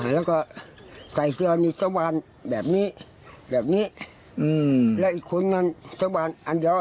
แล้วก็ใส่เสื้อนี่สวานแบบนี้แบบนี้อืมแล้วอีกคนนั้นสาบานอันเดียว